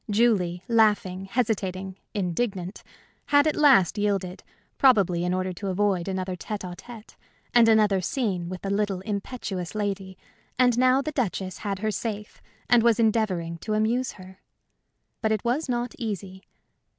Julie, laughing, hesitating, indignant, had at last yielded probably in order to avoid another tête à tête and another scene with the little, impetuous lady, and now the Duchess had her safe and was endeavoring to amuse her. But it was not easy.